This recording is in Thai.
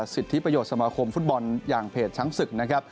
สิทธิประโยชน์สมาคมฟุตบอลอย่างเพจชั้นศึก